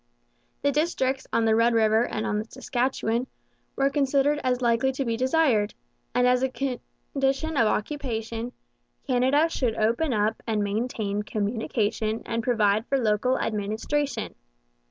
The districts on the Red River and on the Saskatchewan were considered as likely to be desired; and, as a condition of occupation, Canada should open up and maintain communication and provide for local administration.